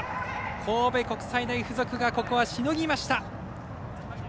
神戸国際大付属がここはしのぎました。